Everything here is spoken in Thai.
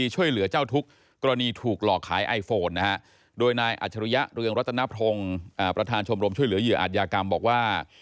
ช่วยเหลือเหยื่ออาจยากรรมบอกว่า